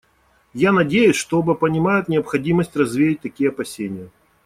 Я надеюсь, что оба понимают необходимость развеять такие опасения.